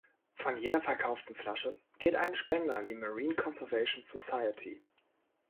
Von jeder verkauften Flasche geht eine Spende an die Marine Conservation Society.